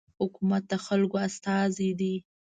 حکومت د خلکو استازی دی.